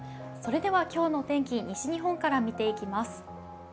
それでは今日のお天気、西日本から見ていきます。